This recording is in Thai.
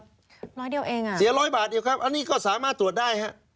ร้อยเดียวเองอ่ะเสียร้อยบาทเดียวครับอันนี้ก็สามารถตรวจได้ฮะ